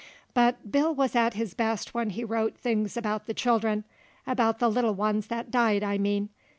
But Bill wuz at his best when he wrote things about the children, about the little ones that died, I mean.